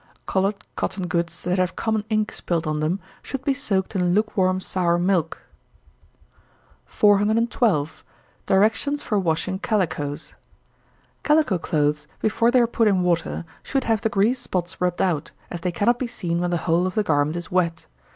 Colored cotton goods, that have common ink spilt on them, should be soaked in lukewarm sour milk. 412. Directions for Washing Calicoes. Calico clothes, before they are put in water, should have the grease spots rubbed out, as they cannot be seen when the whole of the garment is wet.